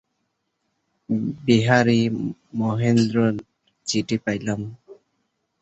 বিহারী মহেন্দ্রের চিঠি পাইল।